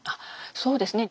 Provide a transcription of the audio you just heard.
そうですね。